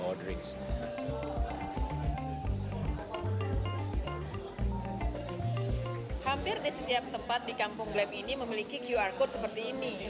hampir di setiap tempat di kampung glam ini memiliki qr code seperti ini